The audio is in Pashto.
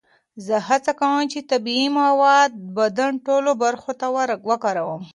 زه هڅه کوم چې طبیعي مواد د بدن ټولو برخو ته وکاروم.